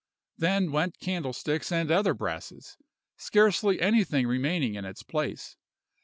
Then went candlesticks and other brasses, scarcely anything remaining in its place.